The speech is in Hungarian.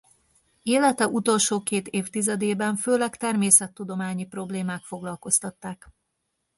Élete utolsó két évtizedében főleg természettudományi problémák foglalkoztatták.